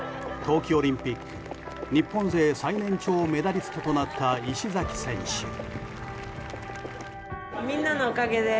冬季オリンピック日本勢最年長メダリストとなった石崎選手。